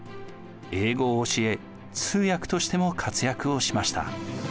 英語を教え通訳としても活躍をしました。